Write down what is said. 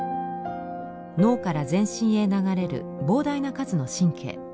脳から全身へ流れる膨大な数の神経。